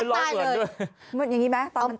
วให้ร้องเหมือนด้วย